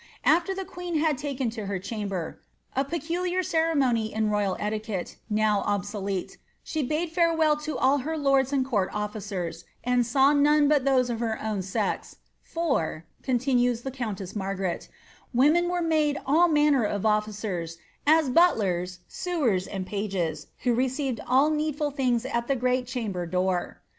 After the queen had taken to her chamber," a peculiar ceremony in royal etiquette, now obaolele, she bade farewell to all her lords and nnun ofiicrr*, and saw none but those of her own sex, " for," continues the n>untes9 Margaret, " women were niade all raanner of officers, as builem, sewers, and pnges, who received all needful things at the great chamber door."